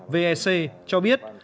vec cho biết